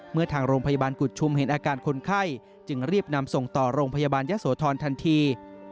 เมื่อทางโรงพยาบาลกุฎชุมเห็นอาการคนไข้จึงรีบนำส่งต่อโรงพยาบาลยะโสธรทันที